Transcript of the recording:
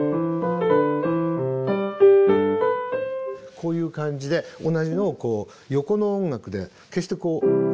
こういう感じで同じのをこう横の音楽で決してこう。